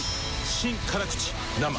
新・辛口生。